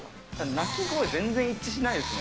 鳴き声全然一致しないですね。